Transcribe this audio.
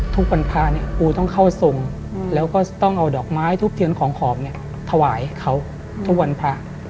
ทุกวันพระเนี่ยปูต้องเข้าทรงแล้วก็ต้องเอาดอกไม้ทุบเทียนของขอบเนี่ยถวายเขาทุกวันพระ